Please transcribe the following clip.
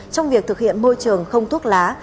trong việc thực hiện môi trường không thuốc lá